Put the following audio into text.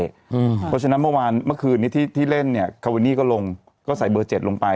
เพราะฉะนั้นเมื่อวานเมื่อคืนนี้ที่เล่นเนี่ยคาเวนี่ก็ลงก็ใส่เบอร์๗ลงไป